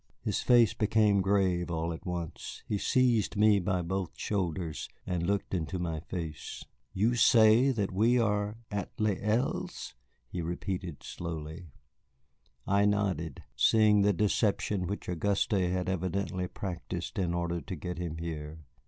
His face became grave all at once. He seized me by both shoulders, and looked into my face. "You say that we are at Les Îles?" he repeated slowly. I nodded, seeing the deception which Auguste had evidently practised in order to get him here.